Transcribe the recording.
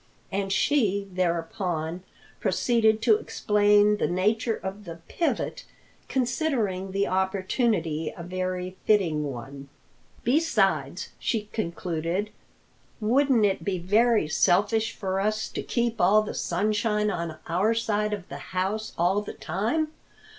And she thereupon proceeded to explain the nature of the pivot, considering the opportunity a very fitting one. "Besides," she concluded, "wouldn't it be very selfish for us to keep all the sunshine on our side of the house all the time?